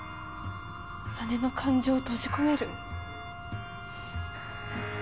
姉の感情を閉じ込める？